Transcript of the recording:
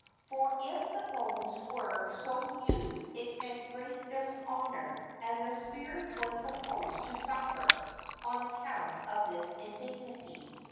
For if the bones were so used it meant great dishonor, and the spirit was supposed to suffer on account of this indignity.